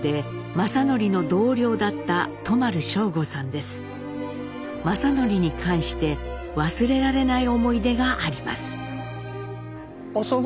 正順に関して忘れられない思い出があります。